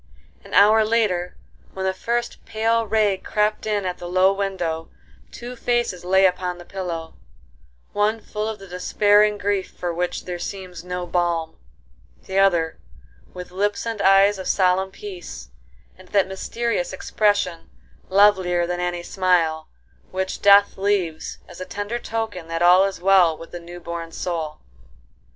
An hour later when the first pale ray crept in at the low window, two faces lay upon the pillow; one full of the despairing grief for which there seems no balm; the other with lips and eyes of solemn peace, and that mysterious expression, lovelier than any smile, which death leaves as a tender token that all is well with the new born soul.